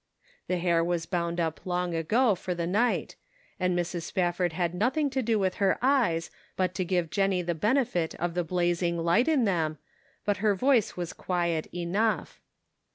The hair was bound up long ago for the night, and Mrs. Spafford had nothing to do with her eyes but to give Jennie the benefit of the blazing light in them but her voice was quiet enough.